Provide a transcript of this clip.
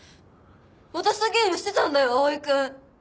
私とゲームしてたんだよ蒼くん！